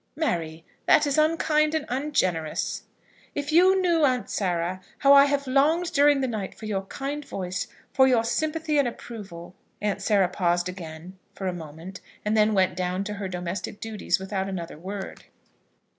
"Mary, that is unkind and ungenerous." "If you knew, Aunt Sarah, how I have longed during the night for your kind voice, for your sympathy and approval!" Aunt Sarah paused again for a moment, and then went down to her domestic duties without another word.